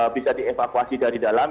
bisa dievakuasi dari dalam